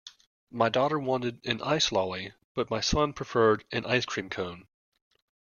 My daughter wanted an ice lolly, but my son preferred an ice cream cone